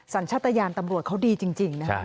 สัญชาติยานตำรวจเขาดีจริงนะครับ